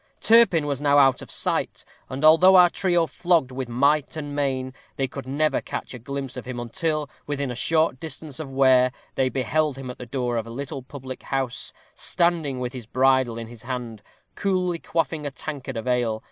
Turpin was now out of sight, and although our trio flogged with might and main, they could never catch a glimpse of him until, within a short distance of Ware, they beheld him at the door of a little public house, standing with his bridle in his hand, coolly quaffing a tankard of ale.